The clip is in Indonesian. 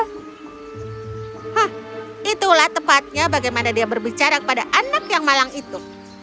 hah itulah tepatnya bagaimana dia berbicara kepada anak yang malang itu